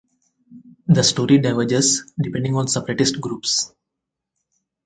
The story diverges depending on separatist groups.